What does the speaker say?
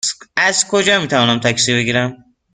از کجا می توانم تاکسی بگیرم؟